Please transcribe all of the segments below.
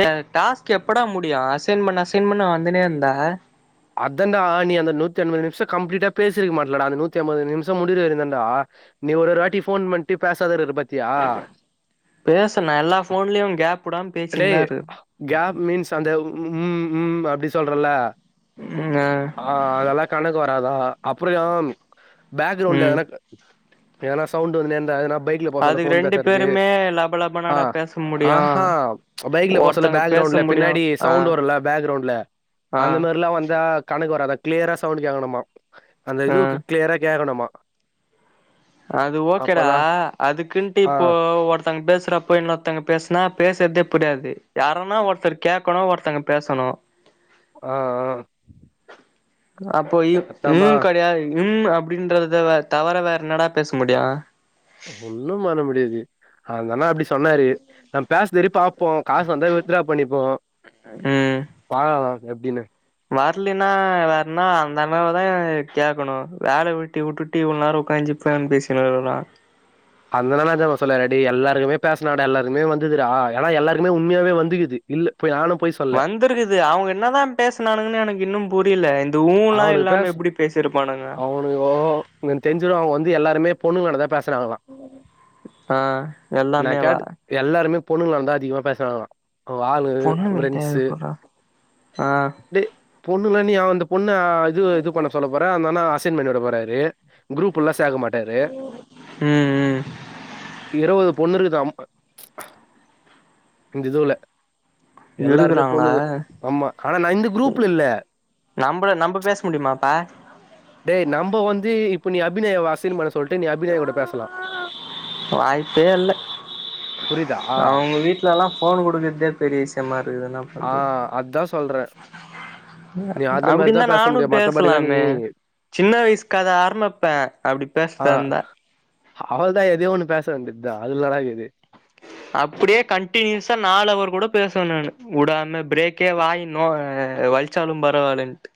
ஏய் ஆ டாஸ்க் எப்படா முடியு அசைன் பன்னா அசைன் பன்ன வந்துனே இருந்தா அதண்டா நீ அந்த நூத்திஐம்பது நிமிஷ கம்ப்ளீட்டா பேசிருக்கமாட்டலடா அந்த நூத்தி ஐம்பது நிமிஷம் முடியுறவரையு தாண்டா நீ ஒரு ஒரு வாட்டியு போன் பண்ட்டு பேசாதிரு இரு பத் பேசனே எல்லா போன்லயு கேப் விடாம அடே பேசின்தா இரு கேப் மீன்ஸ் அந்த ம் ம் அப்டி சொல்றல்ல ஆ அதெல்லா கணக்கு வ ராதாஅப்றயு பேக்ரவுண்ட்ல ம் எதனா எதனா சவுண்ட் வந்துனேந்தா பைக்ல போ சொல்ல அதுக்கு போன் ரெண்டு பேசரது பேருமே ஆ லபலபனாடா பேச முடியு ஆஹா பைக்ல போ சொல்ல ஒருத்தங்க பேச பேக்ரவுண்ட்ல முடியு பின்னாடி ஆ சவுண்ட் வரும்ல பேக்ரவுண்ட்ல ஆ அந்த மாரிலா வந்தா கா க்கு வராதா க்ளியரா சவுண்ட் கேக்கணுமா அந்த ஆ இதுவுக் க்ளியரா கேக்கணுமா அது ஓகேடா அப்பதான் அதுக்குன்ட்டு ஆ இப்போ ஒர்த் ங்க பேசுறப்ப இன்னொருத்தங்க பேசுனா பேசறதே புரியாது யாரனா ஒருத்தர் கேட்கணு ஒருத்தங்க பேசணு ஆ ஆ ஆ அப்ப வ் அதான்பா ம் கெடையாது ம் அப்படின்றத தவற வேற என்னடா பேச முடியு ஒன்னு பண்ண முடியாது அந்தண்ணா அப்டி சொன்னாரு நா பேச சரி பாப்போ காசு வந்தா வித்ரா பண்ணிப்போ ம் பாழலா எப்டின்னு வரலன்னா வேறன்னா அந்த அண்ணாவ தா கேக்கணு வேல வெட்டி விட்டுட்டு இவ்ளோ நேர உக்காஞ்சி இப்பான் பேசினுருக்குறோ அந்ததன்னா ராஜா சொல்லல டேய் எல்லாருக்குமே பேசினடா எல்லாருக்குமே வந்துது ஆனா எல்லாருக்குமே உண்மையாவே வந்துக்குது இல்ல போய் நானு பொய் சொல்ல வந்திருக்குது அவங்க என்னதா பேசனானுங்கன்னு எனக்கு இன்னு புரியல ஊல்லா அவனு பேச இல்லாம எப்டி பேசிருப்பானுங்க அவனுங்கோ தெரிஞ்சது அவங்க வந்து எல்லாருமே பொண்ணுங்கலாண்டதா பேசுராங்களா ஆ நா எல்லாமேவா கேட் எல்லாருமே பொண்ணுங்கலாண்டதா அதிகமா பேசறாங்களா உ ஆளு பொண்ணுங்கிட்ட ஃப்ரெண்ஸ் எப்புட்றா ஆ இது பொண்ணுல நீ அந்த பொண்ண இது இது பண்ண சொல்ல போற அந்த அண்ணா அசைன்பண்ணிவுட போறாரு குரூப் உள்ள சேக்க மாட் டாரு ம் ம் இருவது பொண்ணு இருக்கு மொத்தம் இந்த இதுவுல எல்லாருமே இருக்குறாங்களா பொண்ணுங்க ஆமா ஆனா நா இந்த குரூப்ல இல்ல நம்ப நம்ப பேச முடியுமாப்பா டேய் நம்ப வந்து இப்ப நீ அபிநயாவ அசைன் பண்ண சொல்ட்டு நீ அபிநயாகூட பேசலா புரியுதா அவுங்க வீட்லல்லா ஃபோன் குடுக்கறதே பெரிய விஷயமா இருக்குது இன்னா ஆ பண்றது அதா சொல்றே நீ அந்த மாரிதா அப்டினா பேச நானு முடியு மத்தபடிலா நீ பேசலாமே சின்ன வயசுக்கத ஆரம்மிப்பே அப்டி பேசறதா இருந்தா அவல்தா எதயோ ஒன்னு பேச வேண்டிதா அதுல ஏன்னடாகிது அப்டியே கண்டினியூஸா நாலு அவர் கூட பேசுவே நாணு உடாம பிரேக்கே வாயி நோவ வலிச்சாலு பரவாலன்ட்டு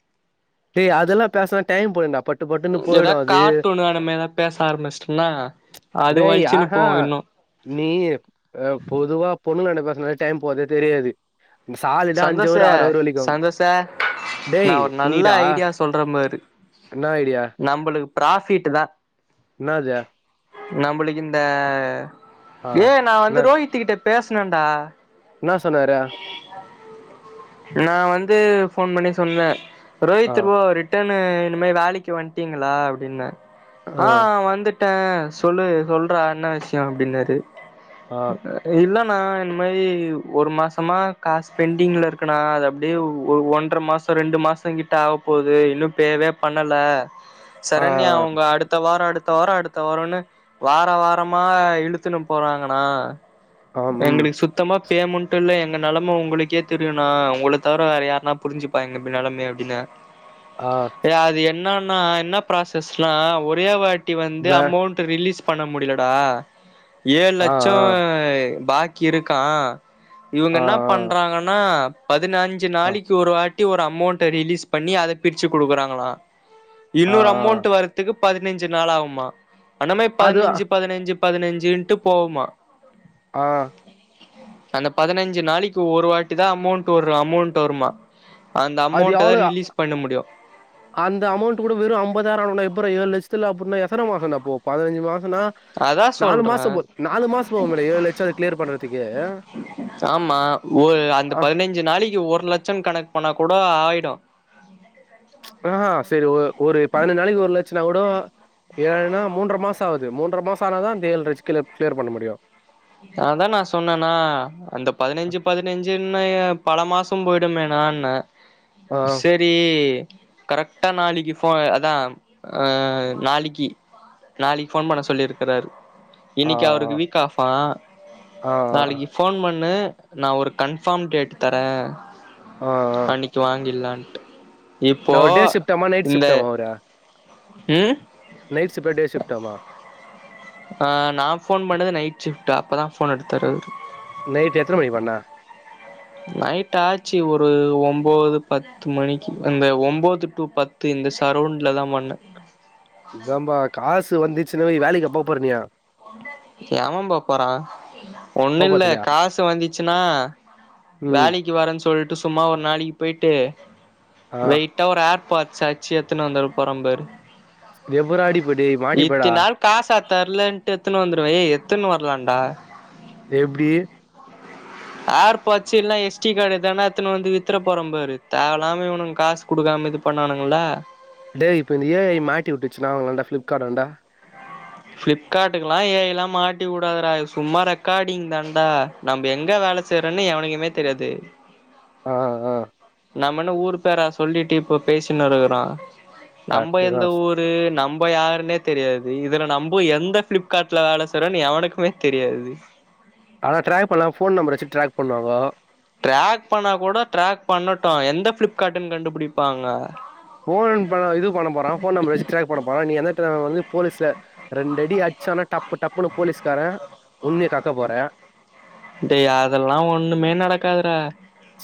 டேய் அதெல்லா பேசனா டைம் போயிடும்டா பட் ஏதா கார்ட்டூனு அந்த மாரிலா பேச ஆரம்பிஷ்டேனா டேய் அ ஆ நீ அ பொதுவா பொண்ணுங்களாண்ட பேசனாலே டைம் போறது தெரியாது சாலிடா அஞ்சவர் சந்தோஷே ஆறவர் வெலிக்கு டேய் நல்லா ஐடியா சொல்றே பாரு நா ஐடியா ப்ராஃபிட் தா நா அது நம்புளுக்கு இந்த ஆ ஏய் நா வந்து ரோஹித்து கிட்ட பேசனேன்டா இன்னா சொன்னாரு நா வந்து ஃபோன் பண்ணி சொன்னே ஆ ரோஹித் ப்ரோ ரிட்டனு இந்த மாரி வேலைக்கு வன்டீங்களா அப்டின்ன ஆ வந்துட் டே சொல்லு சொல்றா என்ன விஷயோ அப்டின்னாரு ஆ இல்ல இல்லணா இந்த மாரி ஒரு மாச மா காசு பெண்டிங்ல இருக்குனா அது அப்டியே ஒ ஒ ஒன்ற மாசோ ரெண்டு மாசோ கிட்ட ஆவப்போது இன்னு பேவே பண்ணல ஆ சரண்யா அவங்க அடுத்த வாரோம் அடுத் அடுத்த வாரோ அடுத்த வாரோம்னு வார வாரமா இழுத்துன்னு போறாங்கண்ணா ஆ ம் எங்களுக்கு சுத்தமா பேமெண்ட் ட்டுல எங்க நெலைமை உங்களுக்கே தெரியுணா உங்கள தவிர வேற யாருண்ணா புரிஞ்சுப்பா எங்க இப் நெலைமைய அப்டின்னே ஆ இன்னான்னா என்னா ப்ராசஸ்லா ஒரே வாட்டி வந்து வே அமௌண்ட் ரிலீஸ் பண்ண முடிலடா ஏழு ஆ ஆ லட்சோ பாக்கி இருக்கா இவுங்க ஆ என்னா பண்றாங்கன்னா பதினஞ்சு ஆ நாளைக்கு ஒரு வாட் டி ஒரு அமௌண்ட்ட ரிலீஸ் பண்ணி அத பிரிச்சி குடுக்குறாங்களா ஆ இன்னொரு ஆ அமௌண்ட் வரதுக்கு பதினஞ்சு நாள் ஆவுமா அந்த மாரி அது பதினஞ்சி பதினஞ்சி பதினஞ்சின்ட்டு போவுமா அ அந்த பதினஞ்சு நாளைக்கு ஒரு வாட்டி தா அமௌண்ட் ஒரு அமௌண்ட் வருமா அந்த அது அமௌண்ட தா எவ்ளோ ரிலீஸ் பண்ண முடியு அந்த அமௌண்ட் கூட வெறு ஐம்பதாயிரோ அளவுனா எப்புட்றா ஏழு லட் த்துல அப்புட்னா எத்தன மாசம் டா போவு பதினஞ்சி மாச ன்னா அதா நாலு சொல்றே மாசோ போ நாலு மாசோ போவுமே டா ஏழு லட்சோ அத கிளியர் பண்றதுக்கே ஆமா ஒரு அந்த பதினஞ்சி நாளைக்கு ஒரு லட்சம் கணக்கு பண்ணா கூடோ போய்டோ ஆஹ சேரி ஒ ஒரு பதினஞ்சி நாளைக்கி ஒரு லட்சோன்னா கூட ஏன்னா மூன்ற மாசோ ஆகுது மூன்ற மாசோ ஆனதா அந்த ஏழு லட்சோ கிளியர் கிளியர் பண்ண முடியு அதா நா சொன்னேனா அந்த பதினஞ்சி பதினஞ்சின்னே பல மாசோ போய்டுமேனாண்ணே ஆ ஆ செரி கரெக்டா நாளிக்கு போ அதா ஆ நாளிக்கி நாளிக்கு ஃபோன் பண்ண சொல்லியிருக்கறாரு இன்னக்கி அவருக்கு ஆ வீக் ஆஃப்ஆ ஆ நாளிக்கு ஆ ஃபோன் பண் ணு நா ஒரு கன்பார்ம் டேட் தரே ஆ ஆ அன்னிக்கி வாங்கீர்லான்னு நா இப்போ ஒரு டே ஷிஃப்ட்டாமா நைட் இந்த ஷிஃப்ட்டாமா அவரு ம் நைட் ஷிஃப்ட்டா டே ஷிஃப்ட்டாமா ஆ நா ஃபோன் பண்ணது நைட் ஷிஃப்ட் அப்பதா ஃபோன் எடுத்தாரு அவரு நைட்டு் எத்தன மணிக்கு பண்ண நைட் ஆச்சி ஒரு ஒம்போது பத்து மணிக்கு அந்த ஒம்போது டு பத்து இந்த சரவுண்ட்ல தா பண்ணே இதாம்பா காசு வந்துச்சின்னு வை வேலக்கி எப்ப போற நீ ஏவே போ போறா போ ஒண்ணு இல்ல போறதில்லையா காசு வந்துச்சுன்னா ம் வேலக்கி வரேன்னு சொல்ட்டு சும்மா ஒரு நாளைக்கி போய்ட்டு ஆ வெயிட்டா ஒரு ஏர்பாட்ஸ் அச்சி எத்துன்னு வந்துற போறே பாரு எப்புறா அடிப்ப டேய் மாட்டிப்படா இத்தினி நாள் காசா தரலன் எத்துன்னு வந்துருவே ஏ எத்துன்னு வரலான்டா எப்டி உ [unintelligible] ஏர்பாட்ஸ் இல்லன்னா எஸ் டி கார்ட் எதனா எடுத்துன்னு வந்து வித்ற போறே பாரு தேவல்லாம இவனுங்க காசு குடுக்காம இது பண்ணானுங்கல்ல டேய் இப்ப இந்த ஏ ஐ மாட்டி விட்டுச்சுன்னா அவங்கள்டா பிளிப்கார்ட்டாண்ட ஃப்ளிப்காட்டுக்குல்லா ஏ ஐல்லாம் மாட்டி வுடாதுடா இது சும்மா ரெக்கார்டிங் தண்டா நம்ப எங்க வே ல செய்றேன்னு எவனுக்குமே தெரியாது ஆ ஆ நம்ம என்ன ஊரு பேரா சொல்லிட்டு இப்ப பேசின்னு இருக்கிறோ நம்ப கரெக்ட்டு தா எந்த ஊரு நம்ப யாருன்னே தெரியாது இ துல நம்ப எந்த பிளிப்கார்ட்ல வேல செய்றோன்னு எவனுக்குமே தெரியாது ஆனா ட்ராக் பண்ணலா ஃபோன் நம்பர வச்சு ட்ராக் பண்ணுவாங்க ட்ராக் பண்ணா கூட ட்ராக் பண்ணட்டு எந்த ஃப்ளிப்காட்டுன்னு கண்டுபிடிப்பாங்க ஃபோன் பா இது பண்ண போறா ஃபோன் நம்பர வச்சி ட்ராக் பண்ண போற நீ எந்த எடத்துல வர்றது போலீஸ்ல ரெண்டடி அடிச்சானா டப்பு டப்புன்னு போலீஸ்காரே உண்மய கக்க போற டேய் அதெல்லா ஒண்ணுமே நடக்காதுறா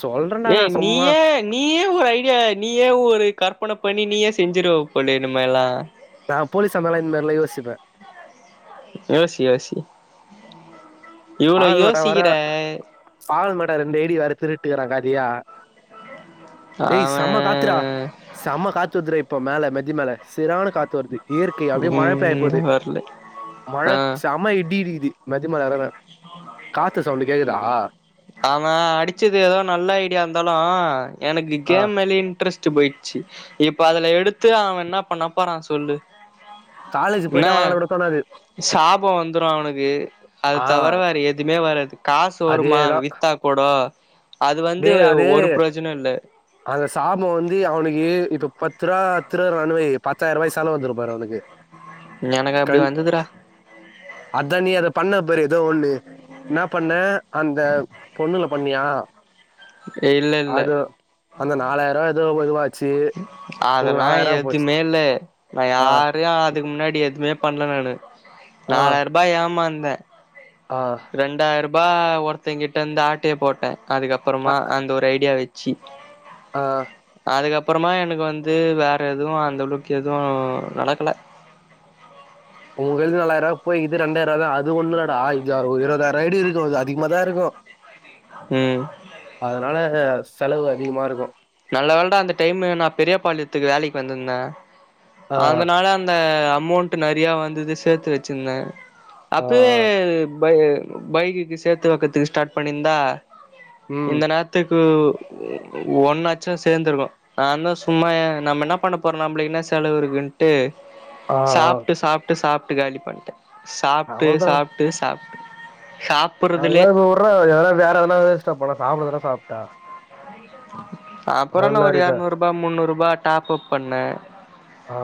சொல்றேன்டா ஏ நா சும்மா நீயே நீயே ஒரு ஐடியா நீயே ஒரு கற்பன பண்ணி நீயே செஞ்சிருவ போல இனிமேல்லா நா போலீஸா இருந்தால்லா இந்த மாரில்லா யோசிப்பே யோசி யோசி இவ்ளோ ஆள் யோசிக்கிற இந்தேடி வர்ற திருட்டுக்காறே காலியா ஏய் அவ செம காத்துறா செம காத்து வர்துறா இப் போ மேல மெத்தி மேல சீரான காத்து வருது இயற்கை அப்டியே மழ பெய்ய இங்க போது வரல மழ ஆ செம்ம இடி இடிக்குது மெத்து மேல வரவு காத்து சவுண்ட் கேக்குது அவே அடிச்சது ஏதோ நல்ல ஐடியா இருந்தாலு எனக்கு ஆ கேம் மேலயே இன்ட்ரஸ் ட்டு போயிடுச்சி இப்ப அதுல எடுத்து அவே என்ன பண்ணப்போறா சொல்லு காலேஜ் என்ன போயிட்டா விளையாட கூட தோணாது சாபோ வந்துரு அவனுக்கு அது ஆ தவற வேற எதுவுமே வராது காசு வருமா வித்தா கூட டே அது இல்ல அந்த சாப வந்து அவுனுக்கு இப்ப பத் ருவா பத்ருவானு வெய் பத்தாயார்வாய்க் செலவ் வந்துரும்பாரு அவுனுக்கு எனக்கு அப்டி வந்துதுடா அதா நீ அத பண்ண பாரு எதோ ஒண்ணு என்னா பண்ண அந்த பொண்ணுல பண்ணியா இல்ல இல்ல அது அந்த நாலாயிருவா எதோ ஒதுவாய் அதெலா எதுமே இல்லே நா ஆ யாரையு அதுக் முன்னாடி எதுமே பண்ல நானு ஆ நாலாயிருபா ஏமாந்த ஆ ரெண்டாயிருபா ஒருத்தங்கிட்ட இருந்து ஆட்டய போட்ட அ அதுக்கப்புறமா அந்த ஒரு ஐடியா வச் சி ஆ அதுக்கப்பறமா எனக்கு வந்து வேற எதுவு அந்தளவுக்கு எதுவு நடக்கல ந [unintelligible] உங்கைல நாலாயர போய்க்குது ரெண்டாயர தா அது ஒண்ணு இல்லடா ஒரு இருபதாயிர ஐ டி இருக்கு இது அதிகமாதா இருக்கு ம் அதனால செலவு அதிகமா இருக்கு நல்ல வேலடா அந்த டைமு நா பெரியபாளையத்துக்கு வேலைக்கு வந்திருந்த ஆ அதனால அந்த அமௌண்ட் நறைய வந்துது சேத்து வச்சிருந்தே ஆ அப்பயே ஆ பை பைக்குக்கு சேத்து வெக்கதுக்கு ஸ்டார்ட் பண்ணிருந்தா ம் இந்த நேரத்துக்கு ஒன்ன லட்ச சேந்துருக்கு நாந்தா சும்மா எ நம்ம என்ன பண்ண போறோ நம்மளுக்கு என்ன செலவிருக்குன்ட்டு ஆ ஆ சாப்ட்டு சாப்ட்டு சாப்ட்டு காலி பண்ட்டே சாப்ட்டு சாப்ட்டு சாப்ட்டு அதலா சாப்புறதுலே இப்ப வுடறா எதனா வேற எதனா வேஸ்டா போனே சாப்டதானே சாப்ட்ட அப்பற என்ன ஒரு ரிதா எரநூறுபா முன்னூறுபா டாப் அப் பண்ண ஆ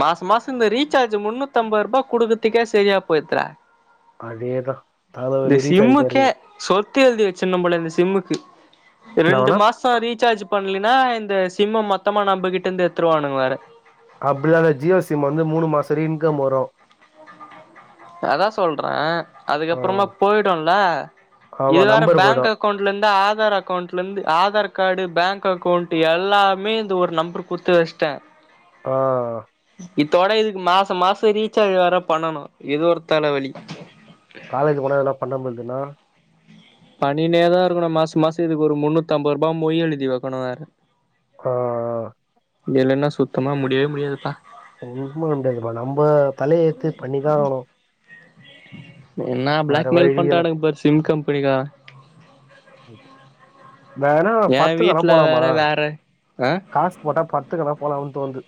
மாச மாச இந்த ரீசார்ஜ் முன்னூத்தம்பது ருபா குடுக்கறதுக்கே சரியா போயிடுதுடா அதேதா இந்த தலவலி ரீசார்ஜ் மாரி சிம்முக்கே சொத் து எழுதி வச்சிரணு போல இருக்கு இந்த சிம்முக்கு நா ரெண்டு வேணா மாசோ ரீசார்ஜ் பண்லினா இந்த சிம்ம மொத்தமா நம்பகிட்ட இருந்து எடுத்ருவானுக வேற அப்டிலா இல்ல ஜியோ சிம் வந்து மூணு மாசோ வர இன்கம் வரு அதா சொல்றே ஆ அதுக்கப்பறமா போயிடுல்ல ஆமா இது வேற நம்பர் போயிடு பேங்க் அக்கௌண்ட்ல இருந்து ஆதார் அக் கவுண்ட்ல இருந்து ஆதார் கார்டு பேங்க் அக்கௌண்ட் எல்லாமே இந்த ஒரு நம்பர் குடுத்து வெச்ட்டே ஓ இத்தோட இதுக்கு மாச மாச ரீசார்ஜ் வேற பண்ணணு இதொரு தலைவலி காலேஜ் போனா இதெலா பண்ணாமிருந்தினா பன்னினே தா இருக்கணு மாச மாச இதுக்கு ஒரு முன்னூத்தம்பது ருபா மொய் எழுதி வெக்கணு வேற ஆ ஆ இதில்லனா சுத்தமா முடியவே முடியாதுப்பா ஒன்னு பண்ண முடியாதுப்பா நம்ப தலையெத்து பண்ணிதா ஆகணு என்னா வேற பிளாக்மெயில் வழி இல்ல பண்றானுக பாரு சிம் கம்பெனிக்கார [unintelligible] வேனா ஏ படத்துக்கு வேனா வீட்ல போலாமா வேற வேற ஆ காசு போட்டா படதுக்கெதுனா போலாமான் தோணுது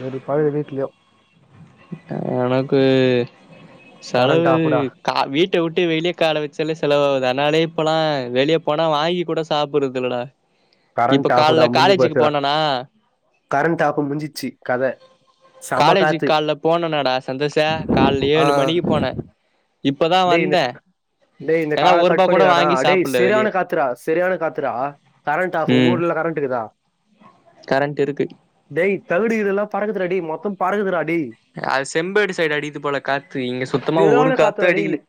வெறு பழைய வீட்லயோ அ எனக்கு கரண்ட் செலவு ஆஃப்டா கா வீட்ட விட்டு வெளிய கால வெச்சாலே செலவாவுது அதனாலயே இப்பலா வெளிய போனா வாங்கி கூட சாப்பிடறதில்லடா கரண்ட் ஆஃபுடா முஞ்சு போச்சுடா போனனா கரண்ட் ஆஃப் முஞ்சிச்சு கத செம காலேஜுக்கு காத்து காலல போனனடா சந்தோஷு கால ஆ ஏழு மணிக்கு போன இப்பதா டேய் இந்த வந்த டேய் இந்த கால கட் பண்ணிறானா டேய் செரியான வெளிய காத்துரா செரியான காத்துரா கரண்ட் ஆஃப் உங்க ம் ஊர்லலா கரண்டக்குதா கரண்ட் இருக்கு டேய் தகுடு இதெலா பறக்குதுடா டேய் மொத்த பறகுதுடா அது செம்பேடு சைடு அடிக்கிது போல காத்து இங்க சுத்தமா ஒரு செரியான காத்து காத்துடா டேய் அடிக்கிலே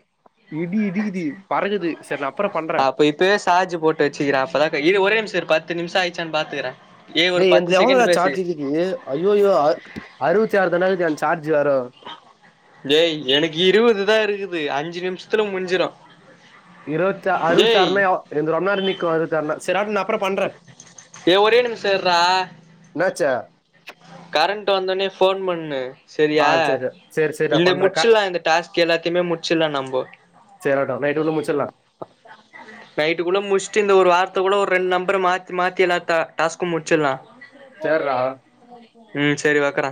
இடி இடிக்குது பறக்குது செரி நா அப்புற அ பண்றே அப்ப இப்வே சார்ஜ் போட்டு வச்சிக்கிற அப்தா க இரு ஒரே மிஷ் செர் பத்து நிமிஷ ஆயிர்ச்சான் பாத்துகிற டேய் என்து எவ்ளோடா சார்ஜ் இக்கீது ஐய்யயோ அ அறுவத்தி ஆறு தான்டா இக்கீது என் சார்ஜ் வேற டேய் எனுக்கு இருவது தா இருக்குது அஞ்சு நிமிஷ்த்ல முஞ்சிரு இருவத்தா அறுவத்தாறுனா எ என்து ரொம்ப நேரோ நிக்கு அறுவத்தாறுனா செரி ஆட் நா அப்ற பண்ற ஏ ஒரே நிமிஷோ இர்றா என்னாச்சே கரண்ட் வந்தோனே ஃபோன் பண்ணு ஆ செரியா சரி சரி சரி சரி நான் இந்த பண்றேன்க்கா முட்ச்சிலா இந்த டாஸ்க் எல்லாத்தியுமே முட்ச்சிலா நம்போ தேறோட்டோ நைட்டு வந்து முச்சிறலா நைட்டுக்குள்ள முட்ச்சிட்டு இந்த ஒரு வார்த் து குள்ள ஒரு ரெண்டு நம்பர மாத்தி மாத்தி எல்லா டா டாஸ்கு முட்ச்சிலா சேர்ரா ம் செரி வெக்கற